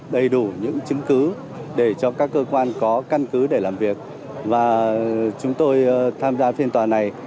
đầy đủ những chứng cứ để cho các cơ quan có căn cứ để làm việc và chúng tôi tham gia phiên tòa này